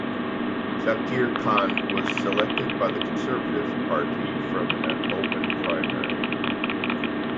Zakir Khan was selected by the Conservative Party from an open primary.